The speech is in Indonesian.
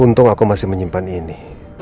untung aku masih menyimpan ini